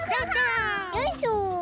よいしょ！